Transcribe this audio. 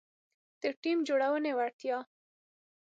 -د ټیم جوړونې وړتیا